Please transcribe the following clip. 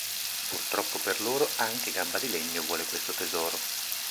Purtroppo per loro anche Gambadilegno vuole questo tesoro.